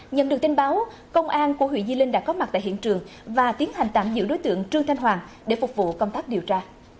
nhận được tin báo công an của huyện di linh đã có mặt tại hiện trường và tiến hành tạm giữ đối tượng trương thanh hoàng để phục vụ công tác điều tra